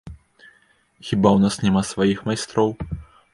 Хіба ў нас няма сваіх майстроў?